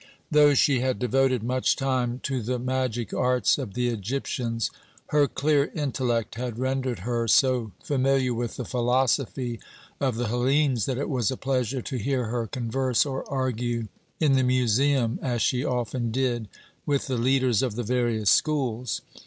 "Though she had devoted much time to the magic arts of the Egyptians, her clear intellect had rendered her so familiar with the philosophy of the Hellenes that it was a pleasure to hear her converse or argue in the museum as she often did with the leaders of the various schools.